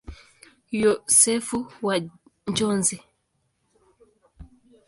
Yosefu wa Njozi.